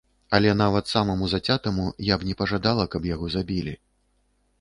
Але нават самаму зацятаму я б не пажадала, каб яго забілі.